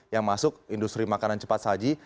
yang masuk industri makanan cepat saji